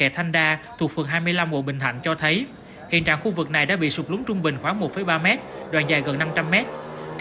thành phố thủ đức